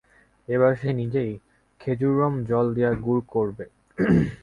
এবার সে নিজেই খেজুররম জ্বল দিয়া গুড় করবে।